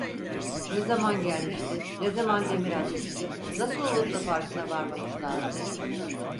Ne zaman gelmişti, ne zaman demir atmıştı, nasıl olup da farkına varmamışlardı?